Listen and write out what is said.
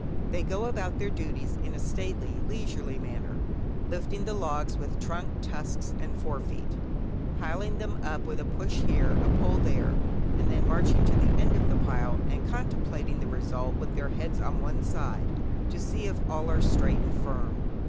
They go about their duties in a stately, leisurely manner, lifting the logs with trunk, tusks, and forefeet; piling them up with a push here, a pull there, and then marching to the end of the pile and contemplating the result with their heads on one side, to see if all are straight and firm.